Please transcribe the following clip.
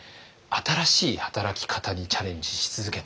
新しい働き方にチャレンジし続けていきます。